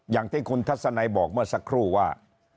อย่างที่คุณทัศนัยบอกเมื่อสักครู่ว่า